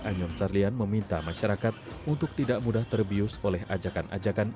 anyom carlian meminta masyarakat untuk tidak mudah terbius oleh ajakan ajakan